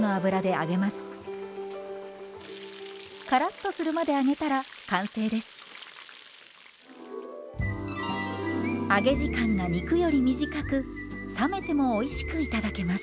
揚げ時間が肉より短く冷めてもおいしく頂けます。